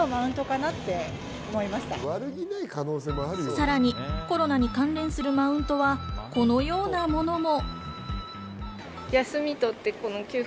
さらに、コロナに関連するマウントは、このようなものも。